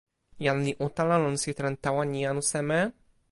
jan li utala lon sitelen tawa ni anu seme?